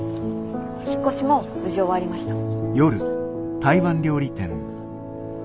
引っ越しも無事終わりました。